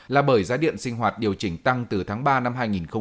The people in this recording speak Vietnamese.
là bởi giá điện sinh hoạt điều chỉnh tăng từ tháng ba năm hai nghìn một mươi chín